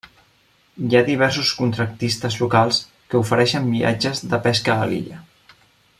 Hi ha diversos contractistes locals que ofereixen viatges de pesca a l'illa.